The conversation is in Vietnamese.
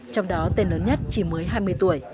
trong đó tên lớn nhất chỉ mới hai mươi tuổi